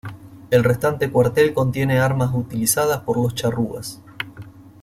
El restante cuartel contiene armas utilizadas por los charrúas.